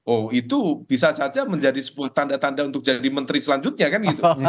oh itu bisa saja menjadi sebuah tanda tanda untuk jadi menteri selanjutnya kan gitu